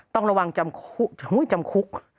ต้องระวังจำคุก